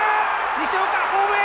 西岡ホームへ。